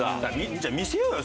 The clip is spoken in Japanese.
じゃあ見せようよ